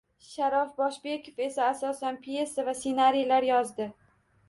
Sharof Boshbekov esa asosan pyesa va ssenariylar yozdi